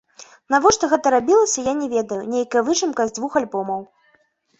Навошта гэта рабілася, я не ведаю, нейкая выжымка з двух альбомаў.